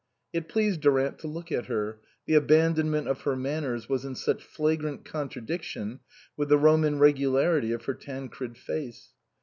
It pleased Durant to look at her, the abandonment of her manners was in such flagrant contradiction with the Roman regularity of her Tancred face.